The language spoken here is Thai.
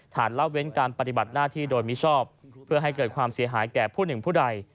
เล่าเว้นการปฏิบัติหน้าที่โดยมิชอบเพื่อให้เกิดความเสียหายแก่ผู้หนึ่งผู้ใด